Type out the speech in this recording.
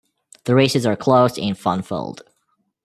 The races are close and fun filled.